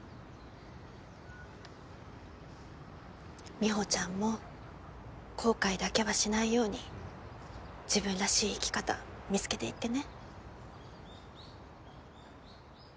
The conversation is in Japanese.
美帆ちゃんも後悔だけはしないように自分らしい生き方見つけていってね。